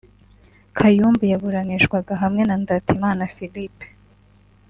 Kayumba yaburanishwaga hamwe na Ndatimana Philippe